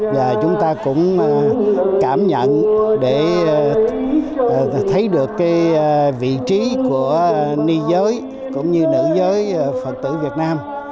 và chúng ta cũng cảm nhận để thấy được cái vị trí của ni giới cũng như nữ giới phật tử việt nam